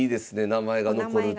名前が残る。